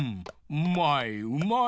うまいうまい。